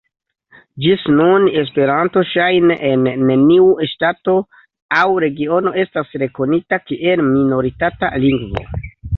Ĝis nun Esperanto ŝajne en neniu ŝtato aŭ regiono estas rekonita kiel minoritata lingvo.